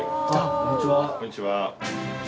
こんにちは。